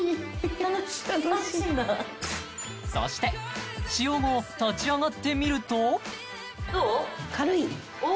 楽しいんだそして使用後立ち上がってみるとどう？